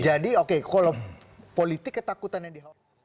jadi oke kalau politik ketakutan yang dihawasi